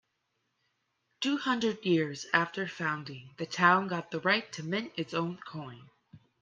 Two hundred years after founding, the town got the right to mint its own coin.